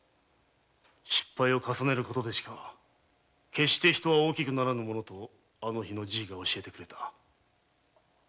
失敗を重ねる事でしか決して人は大きくならぬものとあの日のじぃが教えてくれた。